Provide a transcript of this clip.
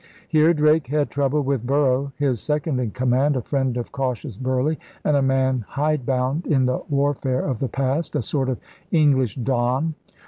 Here Drake had trouble with Borough, his second in command, a friend of cautious Burleigh and a man hide bound in the warfare of the past— a sort of English Don.